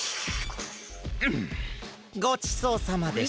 うんごちそうさまでした。